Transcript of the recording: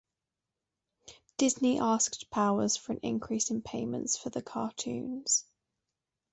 Disney asked Powers for an increase in payments for the cartoons.